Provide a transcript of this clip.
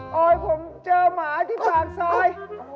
แล้วก็ทิ้งหัวใจจะบ้าหรอ